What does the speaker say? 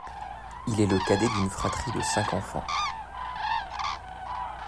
Il est le cadet d'une fratrie de cinq enfants.